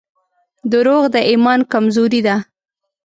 • دروغ د ایمان کمزوري ده.